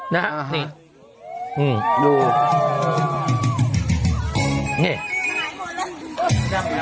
ดูให้ดับอยู่นะ